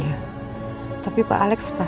ya maps ini besar pak